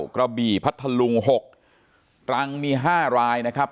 กระบี่พัทธลุง๖ตรังมี๕รายนะครับ